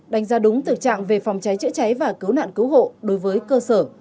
đánh giá đúng tự trạng về phòng cháy chế cháy và cứu nạn cứu hộ đối với cơ sở